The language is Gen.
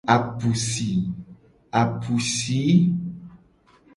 Apusi.